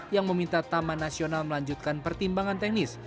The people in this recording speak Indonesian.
yang meminta taman nasional melanjutkan pertimbangan teknis